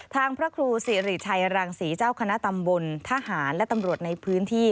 พระครูสิริชัยรังศรีเจ้าคณะตำบลทหารและตำรวจในพื้นที่